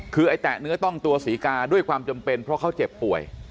คือไอ้แตะเนื้อต้องตัวศรีกาด้วยความจำเป็นเพราะเขาเจ็บป่วย